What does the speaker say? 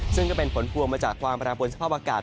ซึ่งก็เป็นผลพวงมาจากความแปรปวนสภาพอากาศ